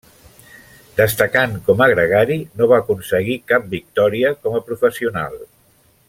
Destacant com a gregari, no va aconseguir cap victòria com a professional.